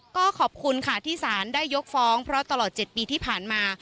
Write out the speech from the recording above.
ก็ขอบคุณค่ะที่สารได้ยกฟ้องเพราะตลอด๗ปีที่ผ่านมา